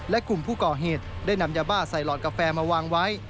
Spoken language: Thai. และกลุ่มผู้ก่อเหตุได้นำยาบ้าใส่หลอดกาแฟมาวางไว้